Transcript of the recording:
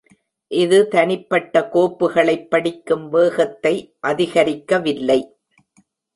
இது தனிப்பட்ட கோப்புகளைப் படிக்கும் வேகத்தை அதிகரிக்கவில்லை.